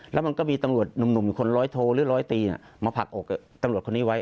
แล้วมันก็มีตำรวจหนุ่มอยู่คนร้อยโทหรือร้อยตีมาผลักอกตำรวจคนนี้ไว้